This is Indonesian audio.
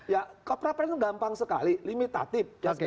ya pra pra itu gampang sekali limitatif